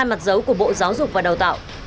hai mặt dấu của bộ giáo dục và đào tạo